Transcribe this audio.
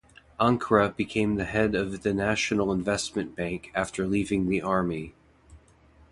Ankrah became the head of the National Investment Bank after leaving the army.